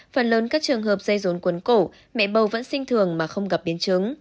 phần lớn các trường hợp dây rốn cuốn cổ mẹ bầu vẫn sinh thường mà không gặp biến chứng